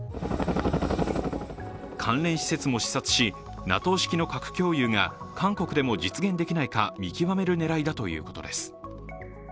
関連施設も視察し、ＮＡＴＯ式の核共有が韓国でも実現できないか見極める狙いだということです。